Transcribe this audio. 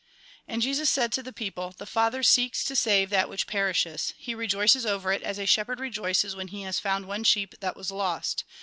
And Jesus said to the people :" The Father seeks to save that which perishes. He rejoices over it, as a shepherd rejoices when he has found one sheep that was lost.